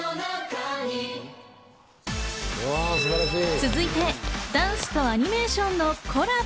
続いて、ダンスとアニメーションのコラボ。